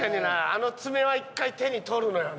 あの爪は一回手に取るのよね。